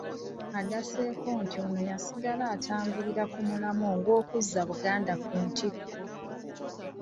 Ageseko nti ono yasigala ng'atambulira ku mulamwa ogw'okuzza Buganda ku ntikko.